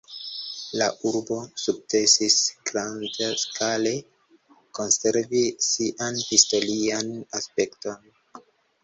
La urbo sukcesis grandskale konservi sian historian aspekton.